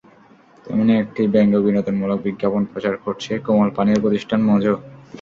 তেমনি একটি ব্যঙ্গ বিনোদনমূলক বিজ্ঞাপন প্রচার করছে কোমল পানীয় প্রতিষ্ঠান মোজো।